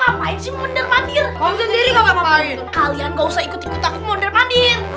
hai kau ngapain sih menderpandir kau sendiri ngapain kalian nggak usah ikut ikut aku menderpandir